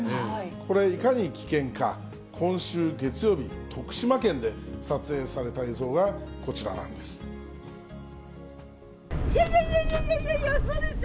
これいかに危険か、今週月曜日、徳島県で撮影された映像がこちらいやいやいやいや、うそでしょ。